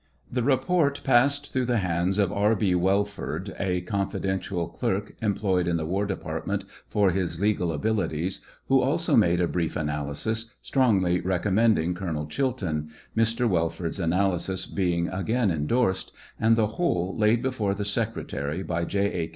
The re.port passed through the hands of R. B. Welford, a confidential clerk employed in the war department for his legal abilities, who also made a brief analysis, strongly recommending Colonel Chilton, Mr. Welford's analysis being again indorsed, and the whole laid before the secretary by J. A.